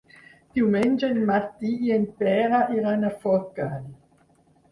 Diumenge en Martí i en Pere iran a Forcall.